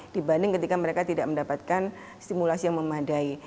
dibanding ketika mereka tidak mendapatkan stimulasi yang memadai